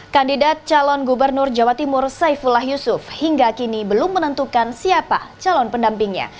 kandidat calon gubernur jawa timur saifullah yusuf hingga kini belum menentukan siapa calon pendampingnya